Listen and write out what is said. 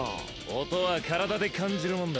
音は体で感じるもんだ。